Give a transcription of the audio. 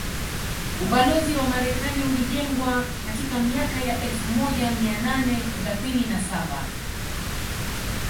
Ubalozi wa Marekani ulijengwa katika miaka ya elfu moja mia nane thelathini na saba